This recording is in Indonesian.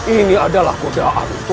ini adalah kode ahli itu